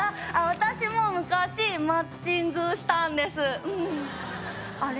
私も昔マッチングしたんですうんあれ？